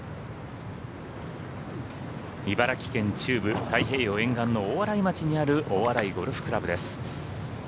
茨城県中部太平洋沿岸の大洗町にある大洗ゴルフ倶楽部です。